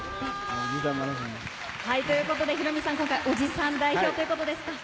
ヒロミさん、今回おじさん代表ということですが。